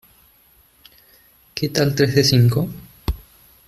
¿ Que tal tres de cinco?